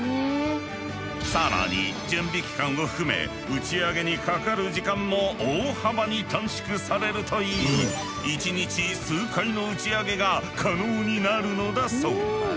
更に準備期間を含め打ち上げにかかる時間も大幅に短縮されるといい１日数回の打ち上げが可能になるのだそう。